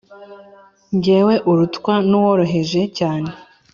Jyewe urutwa n uworoheje cyane